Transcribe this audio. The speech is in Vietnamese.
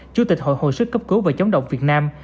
chủ tịch hội hồi sức cấp cứu và chống độc việt nam